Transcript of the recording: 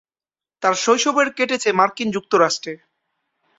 তার শৈশবের কেটেছে মার্কিন যুক্তরাষ্ট্রে।